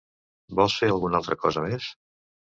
Vols fer alguna altra cosa més?